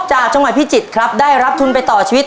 จังหวัดพิจิตรครับได้รับทุนไปต่อชีวิต